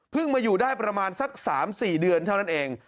มาอยู่ได้ประมาณสัก๓๔เดือนเท่านั้นเอง